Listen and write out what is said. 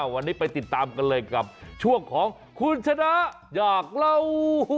วันนี้ไปติดตามกันเลยกับช่วงของคุณชนะอยากเล่า